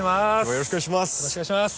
よろしくお願いします。